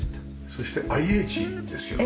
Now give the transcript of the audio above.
そしてＩＨですよね。